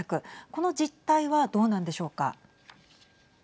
この実態はどうなんでしょうか。